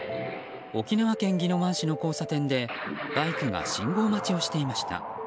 沖縄県宜野湾市の交差点でバイクが信号待ちをしていました。